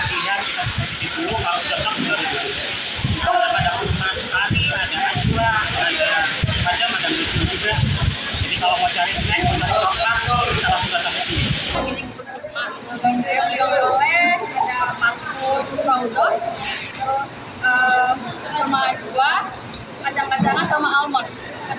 kemudian kebun kurma dua kacang kacangan sama almond